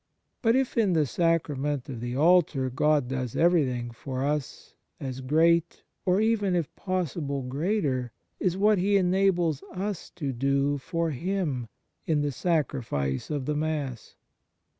1 But if in the Sacrament of the Altar God does everything for us, as great, or even (if possible) greater, is what He enables us to do for Him in the Sacrifice of the Mass.